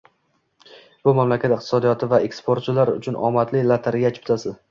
Bu mamlakat iqtisodiyoti va eksportchilar uchun «omadli lotereya chiptasi».